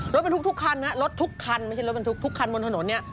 รถบรรทุกทุกคันนะรถทุกคันไม่ใช่รถบรรทุกทุกคันบนถนนเนี่ย